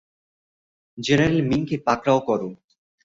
General মিংকে পাকড়াও করো!